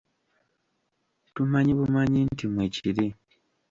Tumanyi bumanyi nti mwekiri.